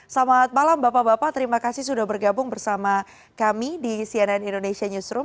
selamat malam bapak bapak terima kasih sudah bergabung bersama kami di cnn indonesia newsroom